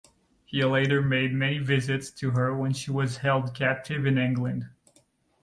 He later made many visits to her when she was held captive in England.